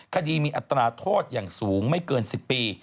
คดีมีอัตราโทษอย่างสูงไม่เกิน๑๐ปี